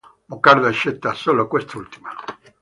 Boccardo accetta solo quest'ultima.